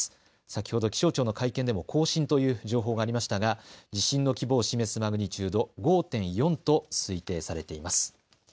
先ほど気象庁の会見でも更新という情報がありましたが地震の規模を示すマグニチュード、５．４と推定されています。